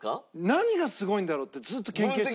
何がすごいんだろう？ってずっと研究した。